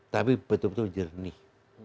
tapi betul betul jernih